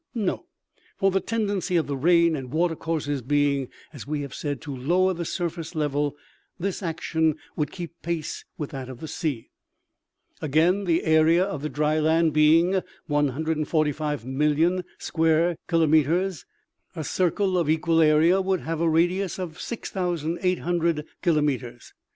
No ; for the tendency of the rain and water courses being, as we have said, to lower the surface level, this action would keep pace with that of the sea. "Again, the area of the dry land being 145,000,000 square kilometers, a circle of equal area would have a radius of 6800 kilometers.